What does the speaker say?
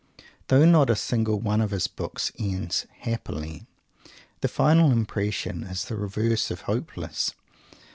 Though not a single one of his books ends "happily," the final impression is the reverse of hopeless.